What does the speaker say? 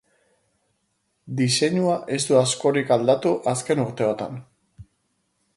Diseinua ez du askorik aldatu azken urteotan.